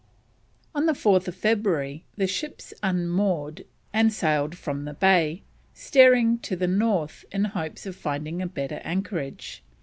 On 4th February the ships unmoored and sailed from the bay, steering to the north in hopes of finding a better anchorage.